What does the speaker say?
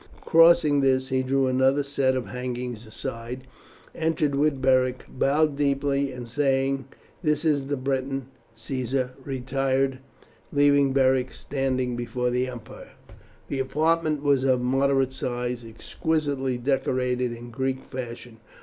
Crossing this he drew another set of hangings aside, entered with Beric, bowed deeply, and saying, "This is the Briton, Caesar," retired, leaving Beric standing before the emperor. The apartment was of moderate size, exquisitely decorated in Greek fashion.